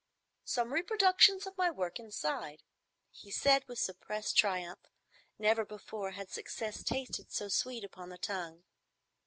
"Some reproduction of my work inside," he said, with suppressed triumph. Never before had success tasted so sweet upon the tongue.